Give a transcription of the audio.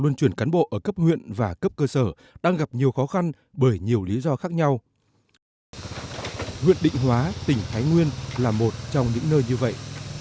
huyện định hóa tỉnh thái nguyên là một trong những nơi như vậy